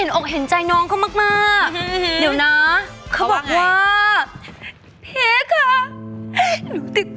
โอเคฉันอ่านแล้วค่อยถูก